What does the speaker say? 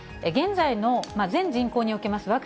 現在の全人口におけます